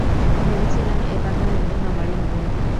ভেবেছিলেম, এ বাগান একদিন আমারই হবে।